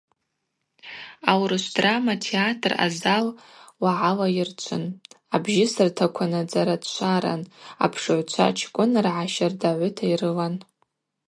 Аурышв драма театр азал уагӏала йырчвын, абжьысыртакванадзара тшваран, апшыгӏвчва чкӏвынргӏа щардагӏвыта йрылан.